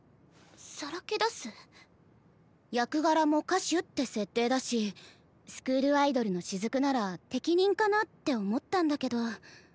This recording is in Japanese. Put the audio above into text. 役柄も歌手って設定だしスクールアイドルのしずくなら適任かなって思ったんだけど。